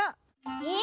え？